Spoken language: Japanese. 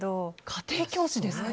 家庭教師ですか。